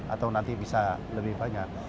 atau nanti bisa lebih banyak